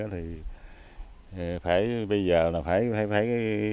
thì phải bây giờ là phải giữ lợi